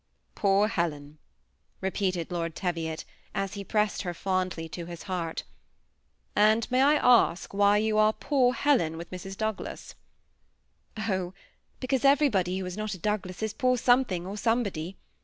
'"" Poor Helen," repeated Lord Teviot, as he pressed her fondly to his heart ;" and may I ask why you are poor Helen with Mrs. Douglas ?"" Oh I because everybody who is not a Douglas is poor something or somebody.